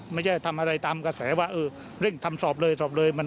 ไม่ได้ทำอะไรตามกระแสว่าเร่งทำสอบเลยสอบเลย